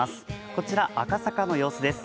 こちら、赤坂の様子です。